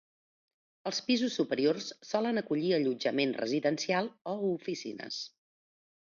Els pisos superiors solen acollir allotjament residencial o oficines.